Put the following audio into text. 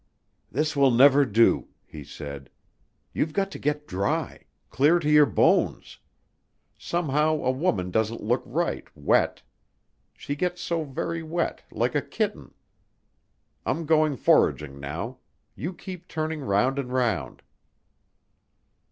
"This will never do," he said. "You've got to get dry clear to your bones. Somehow a woman doesn't look right wet. She gets so very wet like a kitten. I'm going foraging now. You keep turning round and round."